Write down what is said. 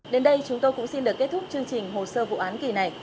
đến đây chúng tôi cũng xin được kết thúc chương trình hồ sơ vụ án kỳ này